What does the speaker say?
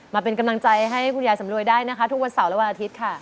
มาเป็นกำลังใจให้คุณยายสำรวยได้นะคะทุกวันเสาร์และวันอาทิตย์ค่ะ